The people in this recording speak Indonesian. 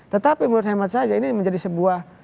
tetapi menurut hemat saja ini menjadi sebuah